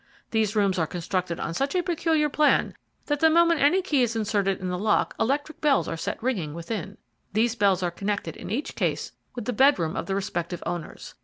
These rooms are constructed on such a peculiar plan that the moment any key is inserted in the lock electric bells are set ringing within. These bells are connected in each case with the bedroom of the respective owners.